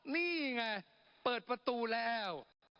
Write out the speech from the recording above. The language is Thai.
นี่ไงเปิดประตูแล้ว